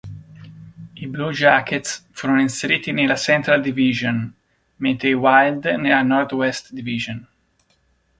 I Blue Jackets furono inseriti nella Central Division, mentre i Wild nella Northwest Division.